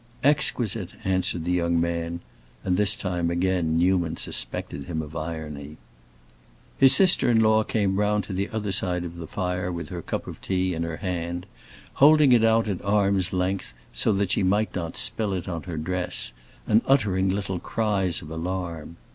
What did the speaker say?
"Exquisite," answered the young man, and this time, again, Newman suspected him of irony. His sister in law came round to the other side of the fire with her cup of tea in her hand, holding it out at arm's length, so that she might not spill it on her dress, and uttering little cries of alarm.